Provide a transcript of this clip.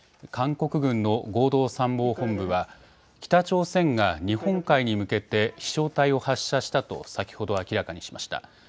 韓国軍の合同参謀本部は北朝鮮が日本海に向けて飛しょう体を発射したと先ほど明らかにしました。